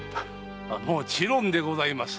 もちろんでございます。